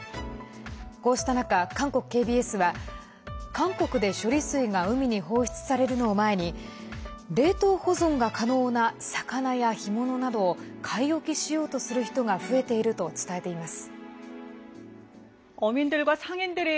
こうした中、韓国ＫＢＳは韓国で処理水が海に放出されるのを前に冷凍保存が可能な魚や干物などを買い置きしようとする人が増えていると伝えています。